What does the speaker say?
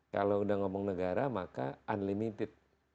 kalau udah ngomong negara maka unlimited